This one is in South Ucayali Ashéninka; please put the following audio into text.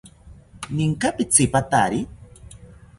Ninka pitzipatari?